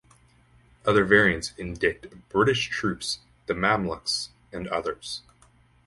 Other variants indict British troops, the Mamluks, and others.